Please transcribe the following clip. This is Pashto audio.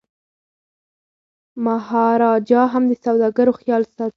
مهاراجا هم د سوداګرو خیال ساتي.